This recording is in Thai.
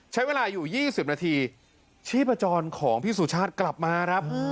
ใช้เวลาอยู่๒๐นาทีชีพจรของพี่สุชาติกลับมาครับ